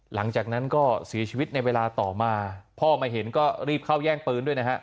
หลังจากนั้นก็เสียชีวิตในเวลาต่อมาพ่อมาเห็นก็รีบเข้าแย่งปืนด้วยนะฮะ